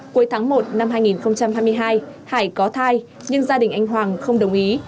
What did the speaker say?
cuối tháng một năm hai nghìn hai mươi hai hải có thai nhưng gia đình anh hoàng không đồng ý